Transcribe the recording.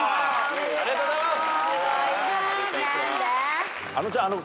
ありがとうございます！